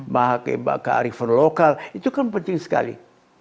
pakai kearifan lokal itu kan penting sekali